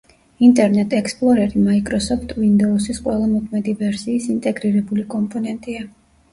ინტერნეტ ექსპლორერი მაიკროსოფტ ვინდოუსის ყველა მოქმედი ვერსიის ინტეგრირებული კომპონენტია.